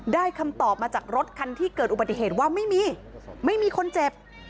คำตอบมาจากรถคันที่เกิดอุบัติเหตุว่าไม่มีไม่มีคนเจ็บ